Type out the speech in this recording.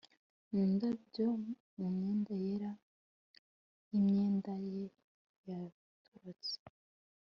Mu ndabyo mumyenda yera yimyenda ye yatorotse